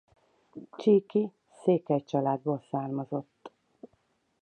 Csíki székely családból származott.